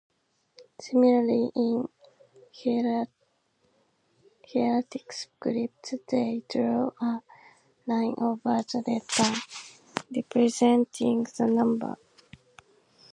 Similarly in hieratic script they drew a line over the letter representing the number.